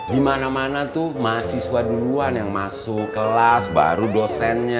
di mana mana tuh mahasiswa duluan yang masuk kelas baru dosennya